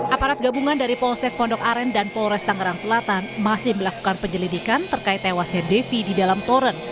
aparat gabungan dari polsek pondok aren dan polres tangerang selatan masih melakukan penyelidikan terkait tewasnya devi di dalam toren